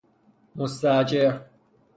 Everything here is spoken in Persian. مستاجر